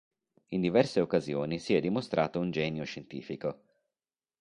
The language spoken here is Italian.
In diverse occasioni si è dimostrato un genio scientifico.